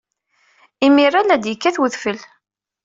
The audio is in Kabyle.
Imir-a, la d-yekkat udfel.